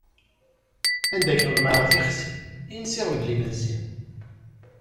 Anda akken ḍemɛeɣ tixsi, i nsiɣ mebla imensi.